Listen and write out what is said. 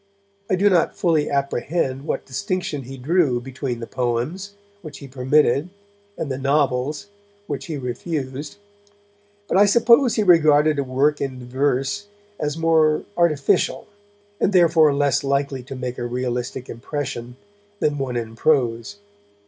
I do not fully apprehend what distinction he drew between the poems, which he permitted, and the novels, which he refused. But I suppose he regarded a work in verse as more artificial, and therefore less likely to make a realistic impression, than one in prose.